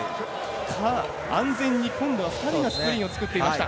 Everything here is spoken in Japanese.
安全に今度は２人がスクリーンを作ってきました。